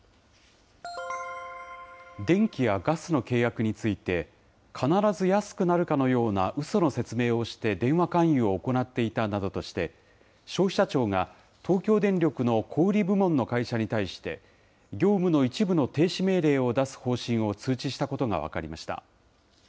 電気やガスの契約について、必ず安くなるかのようなうその説明をして、電話勧誘を行っていたなどとして、消費者庁が東京電力の小売り部門の会社に対して、業務の一部の停止命令を出す方針を通知したことが分かりました。